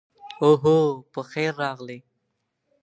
اوهو، پخیر راغلې.